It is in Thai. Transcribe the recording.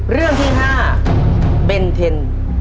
เรื่องที่๕เบนเทน